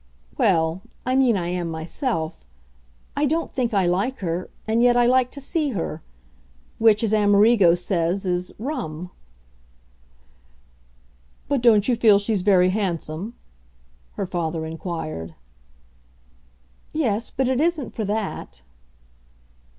"Well, I mean I am myself. I don't think I like her and yet I like to see her: which, as Amerigo says, is 'rum.'" "But don't you feel she's very handsome?" her father inquired. "Yes, but it isn't for that."